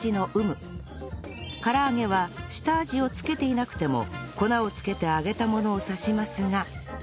唐揚げは下味を付けていなくても粉を付けて揚げたものを指しますが